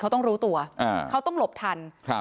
เขาต้องรู้ตัวอ่าเขาต้องหลบทันครับ